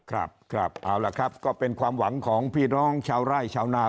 ครับครับเอาล่ะครับก็เป็นความหวังของพี่น้องชาวไร่ชาวนา